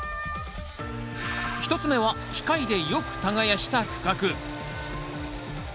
１つ目は機械でよく耕した区画。